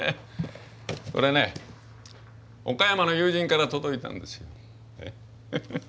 これね岡山の友人から届いたんですよ。